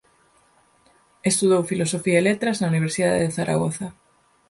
Estudou Filosofía e Letras na Universidade de Zaragoza.